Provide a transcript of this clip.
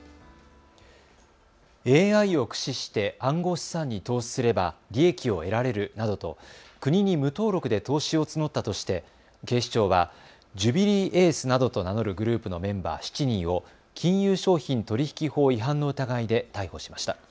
ＡＩを駆使して暗号資産に投資すれば利益を得られるなどと国に無登録で投資を募ったとして警視庁はジュビリーエースなどと名乗るグループのメンバー７人を金融商品取引法違反の疑いで逮捕しました。